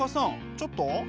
ちょっと？